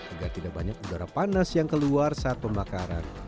agar tidak banyak udara panas yang keluar saat pembakaran